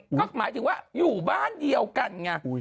ก็หมายถึงว่าอยู่บ้านเดียวกันไง